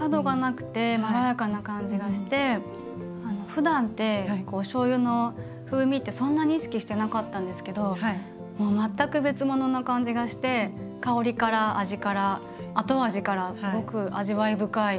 ふだんっておしょうゆの風味ってそんなに意識してなかったんですけどもう全く別ものな感じがして香りから味から後味からすごく味わい深い。